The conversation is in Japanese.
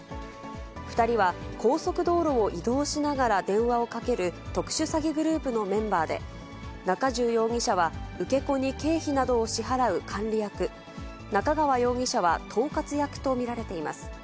２人は高速道路を移動しながら電話をかける、特殊詐欺グループのメンバーで、中重容疑者は受け子に経費などを支払う管理役、中川容疑者は統括役と見られています。